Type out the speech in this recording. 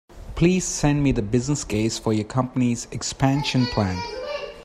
Please send me the business case for your company’s expansion plan